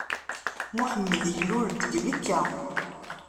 Muḥammed ilul-d deg Mekka.